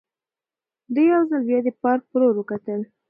ده یو ځل بیا د پارک په لور وکتل.